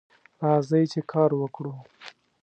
راځئ چې کار وکړو